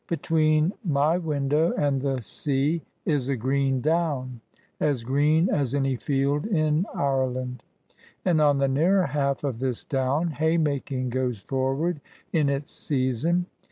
Between my window and the sea is a green down, as green as any field in Ireland ; and on the nearer half of this down, haymaldng goes forward in its season.